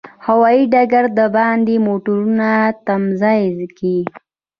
هوایي ډګر د باندې موټرو تمځای کې.